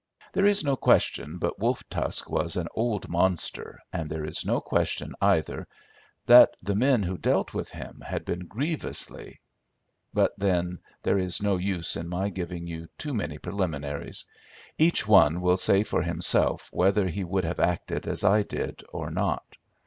There is no question but Wolf Tusk was an old monster, and there is no question either that the men who dealt with him had been grievously—but, then, there is no use in my giving you too many preliminaries; each one will say for himself whether he would have acted as I did or not.